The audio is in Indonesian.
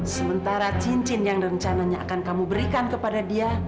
sementara cincin yang rencananya akan kamu berikan kepada dia